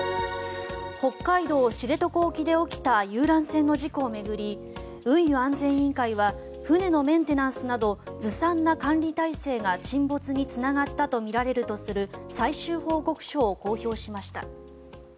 北海道・知床沖で起きた遊覧船の事故を巡り運輸安全委員会は船のメンテナンスなどずさんな管理体制が沈没につながったとみられるとする最終報告書を公表しました。